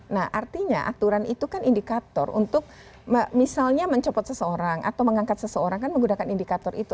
nah artinya aturan itu kan indikator untuk misalnya mencopot seseorang atau mengangkat seseorang kan menggunakan indikator itu